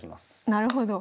なるほど。